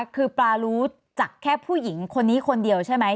คือปลารู้จักแค่ผู้หญิงคนนี้คนเดียวใช่ไหม